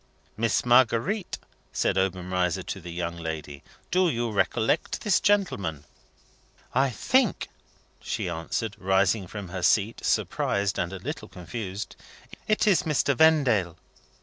"Miss Marguerite," said Obenreizer to the young lady, "do you recollect this gentleman?" "I think," she answered, rising from her seat, surprised and a little confused: "it is Mr. Vendale?"